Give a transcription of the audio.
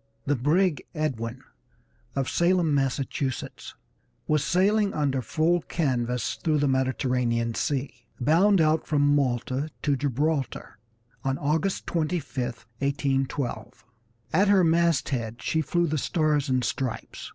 II The brig Edwin of Salem, Massachusetts, was sailing under full canvas through the Mediterranean Sea, bound out from Malta to Gibraltar, on August 25, 1812. At her masthead she flew the Stars and Stripes.